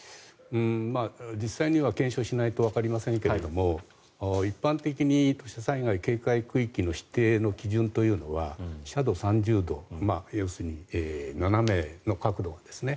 実際には検証しないとわかりませんが一般的に土砂災害警戒区域の指定の基準というのは斜度３０度要するに斜めの角度ですね。